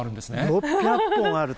６００本あると。